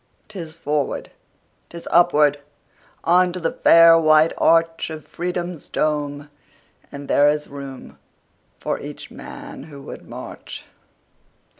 'Tis forward, 'tis upward, On to the fair white archOf Freedom's dome, and there is roomFor each man who would march.